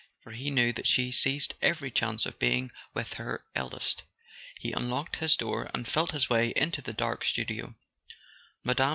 For he knew that she seized every chance of being with her eldest. He unlocked his door and felt his way into the dark studio. Mme.